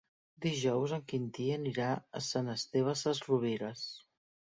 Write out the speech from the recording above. Dijous en Quintí anirà a Sant Esteve Sesrovires.